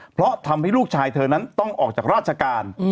เพราะทำให้ลูกชายเธอนั้นต้องออกจากราชการ